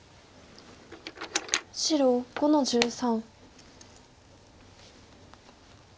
白５の十三。